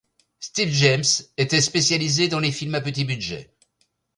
Steve James était spécialisé dans les films à petit budget.